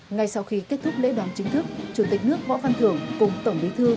ngay sau khi kết thúc lễ đón chính thức chủ tịch nước võ văn thưởng cùng tổng bí thư